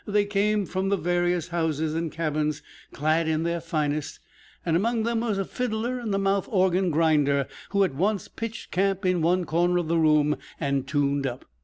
They came from the various houses and cabins, clad in their finest, and among them were a fiddler and a mouth organ grinder, who at once pitched camp in one corner of the room and tuned up.